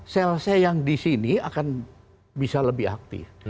sel sel yang di sini akan bisa lebih aktif